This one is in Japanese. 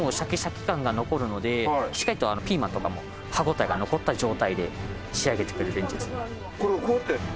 しっかりとピーマンとかも歯応えが残った状態で仕上げてくれるレンジですね。